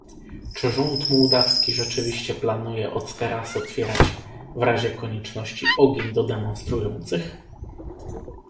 Czy rząd mołdawski rzeczywiście planuje od teraz otwierać w razie konieczności ogień do demonstrujących?